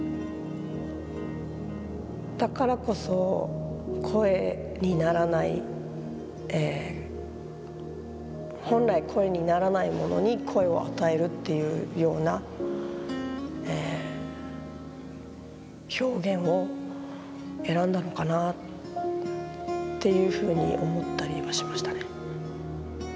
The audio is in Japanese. だからこそ声にならない本来声にならないものに声を与えるっていうような表現を選んだのかなっていうふうに思ったりはしましたね。